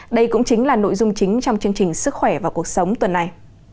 đây cũng chính là nội dung chính trong chương trình sức khỏe và cuộc sống tuần này